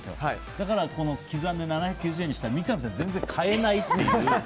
だから刻んで７９０円にしたら三上さん全然変えないっていう。